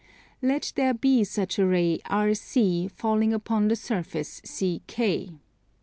Let there be such a ray RC falling upon the surface CK.